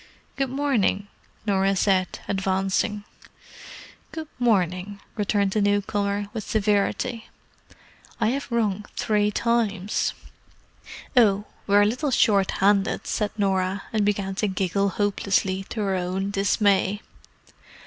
"Good morning," Norah said, advancing. "Good morning," returned the newcomer, with severity. "I have rung three times." "Oh—we're a little shorthanded," said Norah, and began to giggle hopelessly, to her own dismay.